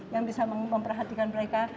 yang bisa memperhatikan mereka